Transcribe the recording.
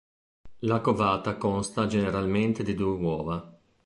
La covata consta generalmente di due uova.